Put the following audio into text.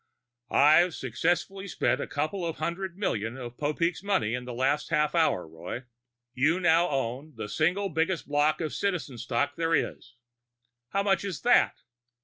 "I've successfully spent a couple of hundred million of Popeek's money in the last half hour, Roy. You now own the single biggest block of Citizen stock there is." "How much is that?"